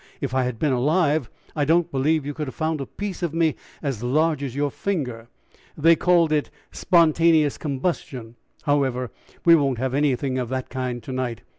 If I had been alive I don't believe you could have found a piece of me as large as your finger they called it spontaneous combustion; however, we won't have anything of that kind to night."